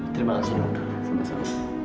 terima kasih dokter